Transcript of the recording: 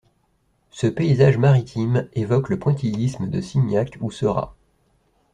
Ce paysage maritime évoque le pointillisme de Signac ou Seurat.